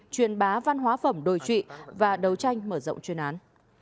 truyền bá văn hóa phẩm đồi trụy và đấu tranh mở rộng chuyên án